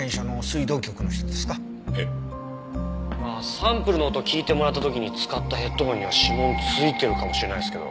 サンプルの音聞いてもらった時に使ったヘッドホンには指紋ついてるかもしれないですけど。